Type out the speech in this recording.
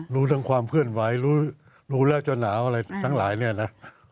รู้ทั้งความเคลื่อนไหวรู้แล้วจะหนาวอะไรทั้งหลายเนี่ยนะ